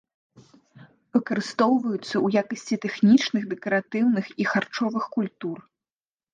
Выкарыстоўваюцца ў якасці тэхнічных, дэкаратыўных і харчовых культур.